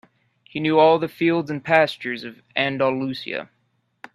He knew all the fields and pastures of Andalusia.